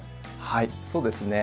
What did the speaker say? はいそうですね。